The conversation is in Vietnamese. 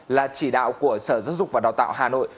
là chỉ đạo của sở giáo dục và đào tạo hà nội